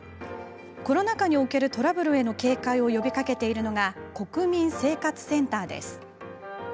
コロナ禍におけるトラブルへの警戒を呼びかけているのが国民生活センターです。